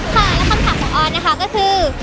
ค่ะแล้วคำถามของออนนะคะก็คือ